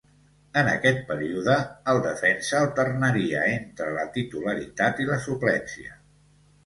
En aquest període, el defensa alternaria entre la titularitat i la suplència.